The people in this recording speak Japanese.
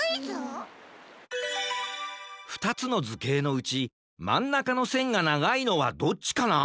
ふたつのずけいのうちまんなかのせんがながいのはどっちかな？